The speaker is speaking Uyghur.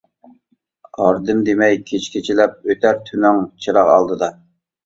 ھاردىم دېمەي كېچە-كېچىلەپ، ئۆتەر تۈنۈڭ چىراغ ئالدىدا.